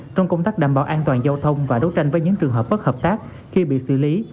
trong công tác đảm bảo an toàn giao thông và đấu tranh với những trường hợp bất hợp tác khi bị xử lý